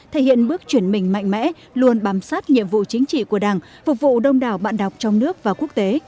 thể hiện bước chuyển mình mạnh mẽ luôn bám sát nhiệm vụ chính trị của đảng phục vụ đông đảo bạn đọc trong nước và quốc tế